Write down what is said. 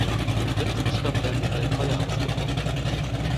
Im fünften Stockwerk ist ein Feuer ausgebrochen.